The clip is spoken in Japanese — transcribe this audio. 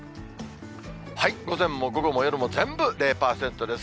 午前も午後も夜も全部０％です。